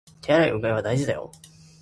手洗い、うがいは大切だよ